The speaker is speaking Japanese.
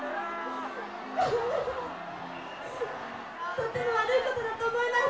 とても悪いことだと思います。